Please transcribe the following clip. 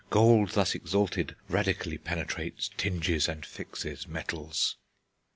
Gold, thus exalted, radically penetrates, tinges, and fixes metals."